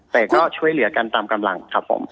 แต่ก็ช่วยเหลือกันตามกำลังครับผม